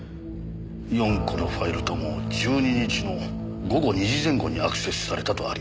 ４個のファイルとも１２日の午後２時前後にアクセスされたとあります。